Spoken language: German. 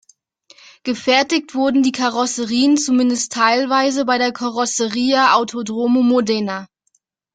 Gefertigt wurden die Karosserien zumindest teilweise bei der Carrozzeria Autodromo Modena.